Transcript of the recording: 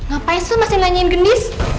ngapain sih masih nanyain gendis